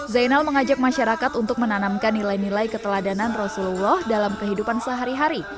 zainal mengajak masyarakat untuk menanamkan nilai nilai keteladanan rasulullah dalam kehidupan sehari hari